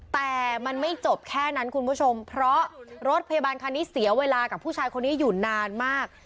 แต่มันไม่จบแค่นั้นคุณผู้ชมเพราะรถพยาบาลคันนี้เสียเวลากับผู้ชายคนนี้อยู่นานมาก